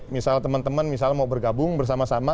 misal teman teman misalnya mau bergabung bersama sama